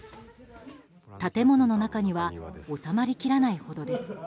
建物の中には収まりきらないほどです。